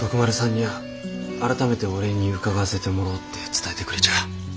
にゃあ改めてお礼に伺わせてもろうって伝えてくれちゃあ。